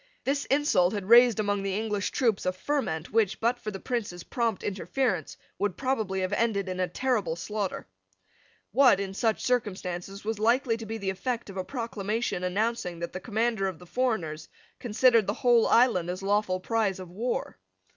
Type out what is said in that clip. This insult had raised among the English troops a ferment which, but for the Prince's prompt interference, would probably have ended in a terrible slaughter. What, in such circumstances, was likely to be the effect of a proclamation announcing that the commander of the foreigners considered the whole island as lawful prize of war?